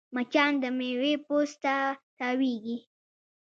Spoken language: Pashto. مچان د میوې پوست ته تاوېږي